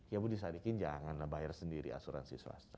ya mau disarikin jangan lah bayar sendiri asuransi swasta